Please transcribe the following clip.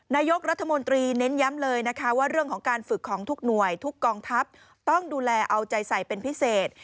นายกรัฐมนตรีเน้นย้ำเลยนะคะว่าเรื่องของการฝึกของทุกหน่วยทุกกองทัพต้องดูแลเอาใจใส่เป็นพิเศษ